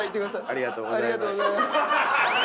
ありがとうございます。